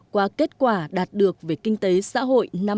qua kết quả đạt được về kinh tế xã hội năm hai nghìn một mươi bảy